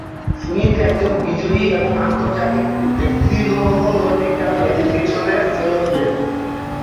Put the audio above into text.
Smith একজন বিজয়ী এবং আন্তর্জাতিক ভেক্সিলোলজিকাল অ্যাসোসিয়েশনের ফেলো ছিলেন।